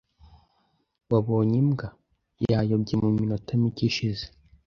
Wabonye imbwa? Yayobye mu minota mike ishize .